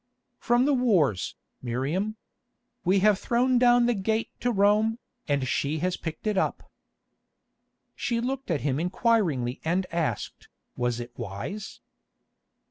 "From the wars, Miriam. We have thrown down the gate to Rome, and she has picked it up." She looked at him inquiringly and asked, "Was it wise?"